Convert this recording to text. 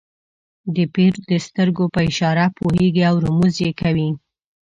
د پیر د سترګو په اشاره پوهېږي او رموز یې کوي.